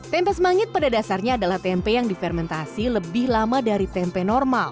tempe semangit pada dasarnya adalah tempe yang difermentasi lebih lama dari tempe normal